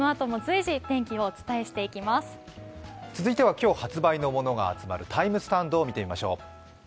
今日発売のものが集まるＴＩＭＥスタンドを見てみましょう。